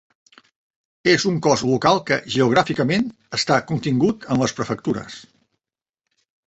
És un cos local que geogràficament està contingut en les prefectures.